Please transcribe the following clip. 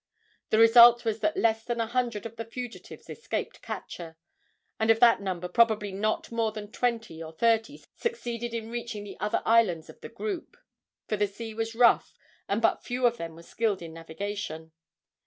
The result was that less than a hundred of the fugitives escaped capture, and of that number probably not more than twenty or thirty succeeded in reaching the other islands of the group, for the sea was rough and but few of them were skilled in navigation.